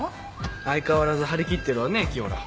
相変わらず張り切ってるわね清良。